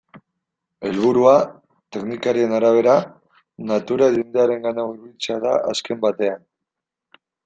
Helburua, teknikariaren arabera, natura jendearengana hurbiltzea da azken batean.